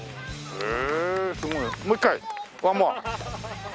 へえ。